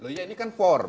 loh ya ini kan form